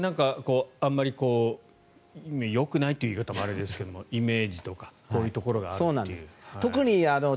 あまりよくないという言い方もあれですけどイメージとかこういうところがあるという。